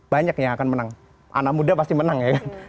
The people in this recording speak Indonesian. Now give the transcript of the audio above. banyak yang akan menang anak muda pasti menang